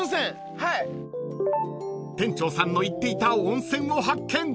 ［店長さんの言っていた温泉を発見］